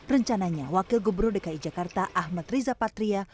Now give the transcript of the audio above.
rencananya wakil gubernur dki jakarta ahmad riza patria